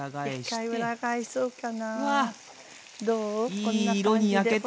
こんな感じでほら。